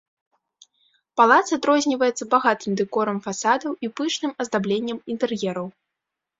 Палац адрозніваецца багатым дэкорам фасадаў і пышным аздабленнем інтэр'ераў.